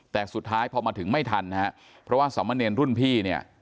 แต่สุดท้ายพอมาถึงไม่ทันนะฮะเพราะว่าสามเณรรุ่นพี่เนี่ย